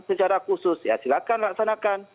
secara khusus ya silahkan laksanakan